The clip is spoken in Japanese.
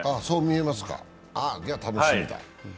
そう見えますか、じゃ、楽しみだ。